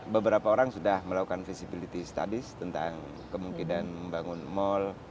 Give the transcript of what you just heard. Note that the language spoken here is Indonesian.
beberapa orang sudah melakukan visibility studies tentang kemungkinan membangun mal